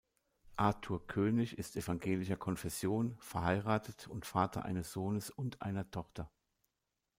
Arthur König ist evangelischer Konfession, verheiratet und Vater eines Sohnes und einer Tochter.